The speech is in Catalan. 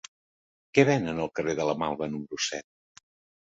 Què venen al carrer de la Malva número set?